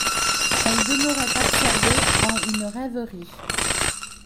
Elle demeurait absorbée en une rêverie.